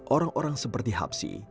orang orang seperti hapsi